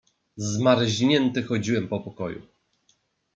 "Zmarznięty chodziłem po pokoju."